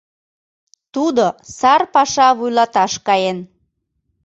Тудо сар паша вуйлаташ каен.